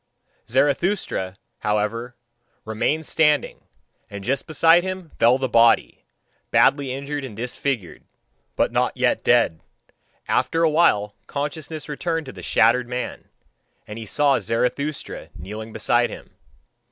Zarathustra, however, remained standing, and just beside him fell the body, badly injured and disfigured, but not yet dead. After a while consciousness returned to the shattered man, and he saw Zarathustra kneeling beside him.